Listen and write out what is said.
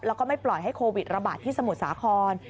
แล้วก็ไม่ปล่อยให้โควิดระบาดที่สมุทรสาคร